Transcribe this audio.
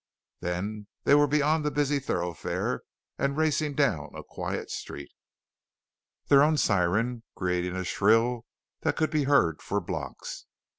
Then they were beyond the busy thoroughfare and racing down a quiet street, their own siren creating a shrill that could be heard for blocks.